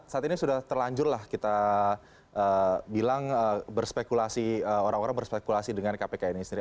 saat ini sudah terlanjurlah kita bilang berspekulasi orang orang berspekulasi dengan kpk ini sendiri